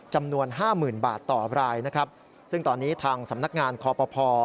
จำนวนห้าหมื่นบาทต่อรายนะครับซึ่งตอนนี้ทางสำนักงานคอปภ